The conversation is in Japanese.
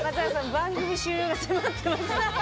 番組終了が迫ってます。